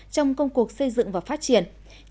trong công cuộc xây dựng và phát triển